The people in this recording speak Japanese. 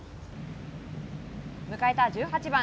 迎えた１８番。